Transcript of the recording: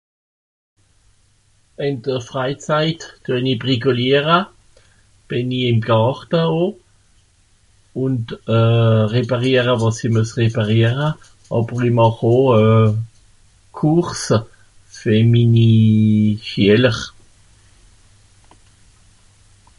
ìn de freizeit deuni bricoliere bìn'i ìm gàrte o ùn euh répàriere wàs'i muess répàriere àber'i màch o euh course ver minni .... (chieler)